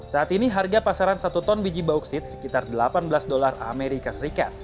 saat ini harga pasaran satu ton biji bauksit sekitar delapan belas dolar as